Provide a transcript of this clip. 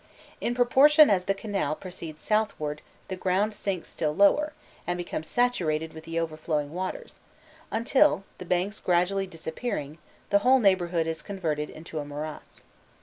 In proportion as the canal proceeds southward the ground sinks still lower, and becomes saturated with the overflowing waters, until, the banks gradually disappearing, the whole neighbourhood is converted into a morass.